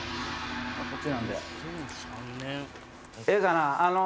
ええかな？